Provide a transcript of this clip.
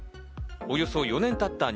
およそ４年たった